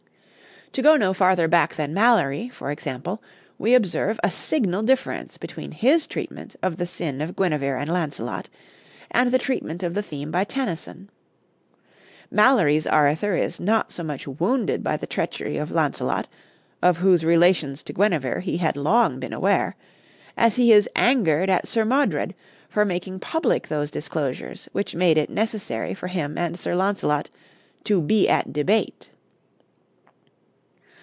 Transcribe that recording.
To go no farther back than Malory, for example, we observe a signal difference between his treatment of the sin of Guinevere and Launcelot, and the treatment of the theme by Tennyson. Malory's Arthur is not so much wounded by the treachery of Launcelot, of whose relations to Guinevere he had long been aware, as he is angered at Sir Modred for making public those disclosures which made it necessary for him and Sir Launcelot to "bee at debate."